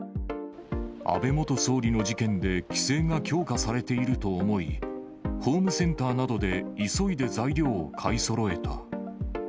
安倍元総理の事件で規制が強化されていると思い、ホームセンターなどで急いで材料を買いそろえた。